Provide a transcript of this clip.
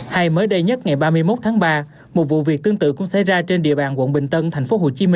hay mới đây nhất ngày ba mươi một tháng ba một vụ việc tương tự cũng xảy ra trên địa bàn quận bình tân tp hcm